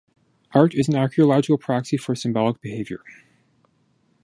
Art is an archaeological proxy for symbolic behavior.